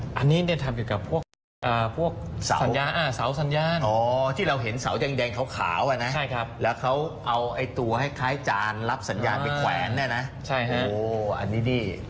โอ้โหอันนี้นี่ไม่เกี่ยวกับเทคโนโลยีนะ